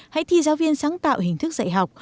hãy thi giáo viên sáng tạo hình thức dạy học